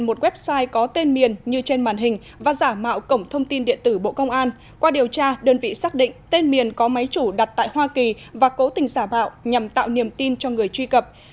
một website có tên miền như trên màn hình và giả mạo cổng thông tin điện tử bộ công an qua điều tra đơn vị xác định tên miền có máy chủ đặt tại hoa kỳ và cố tình giả bạo nhằm tạo niềm tin cho người truy cập